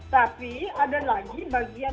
tapi ada lagi bagian